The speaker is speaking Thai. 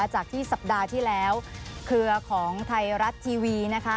จากที่สัปดาห์ที่แล้วเครือของไทยรัฐทีวีนะคะ